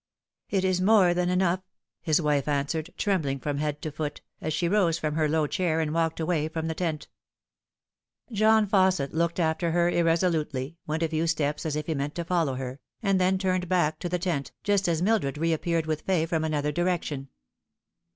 " It is more than enough," his wife answered, trembling from head to foot. cjj she rose from her low chair, and walked away from the tent. John Fausset looked after her irresolutely, went a few steps as if he meant to follow her, and then turned back to the tent, just as Mildred reappeared with Fay from another direction.